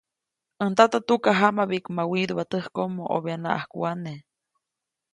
‒ʼäj ndata tukajamabiʼkma widuʼpa täjkomo, obyaʼnaʼajk wane-.